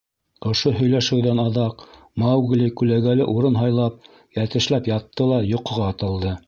Ошо һөйләшеүҙән аҙаҡ Маугли күләгәле урын һайлап, йәтешләп ятты ла йоҡоға талды.